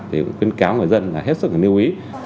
thì cũng khuyến cáo người dân là hết sức là nêu ý